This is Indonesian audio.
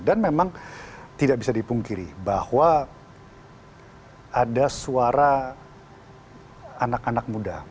dan memang tidak bisa dipungkiri bahwa ada suara anak anak muda